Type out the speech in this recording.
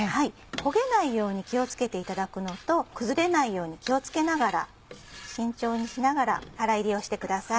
焦げないように気を付けていただくのと崩れないように気を付けながら慎重にしながら空炒りをしてください。